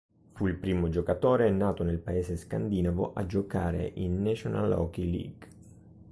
Fu il primo giocatore nato nel paese scandinavo a giocare in National Hockey League.